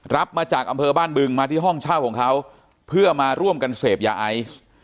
รับมาจากอำเภอบ้านบึงมาที่ห้องเช่าของเขาเพื่อมาร่วมกันเสพยาไอซ์